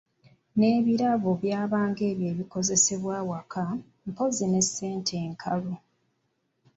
N’ebirabo okusinga byabanga ebyo ebikozesebwa awaka, mpozzi ne ssente enkalu.